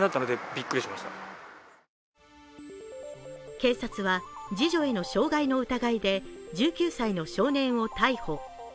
警察は次女への傷害の疑いで１９歳の少年を逮捕。